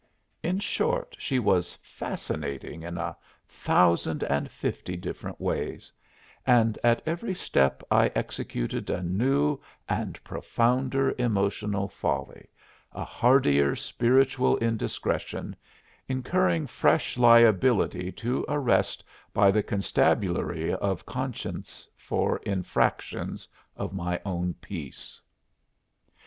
In short, she was fascinating in a thousand and fifty different ways, and at every step I executed a new and profounder emotional folly, a hardier spiritual indiscretion, incurring fresh liability to arrest by the constabulary of conscience for infractions of my own peace.